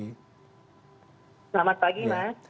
selamat pagi mas